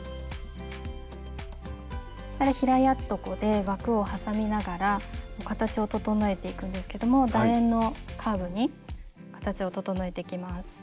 平やっとこで枠を挟みながら形を整えていくんですけどもだ円のカーブに形を整えていきます。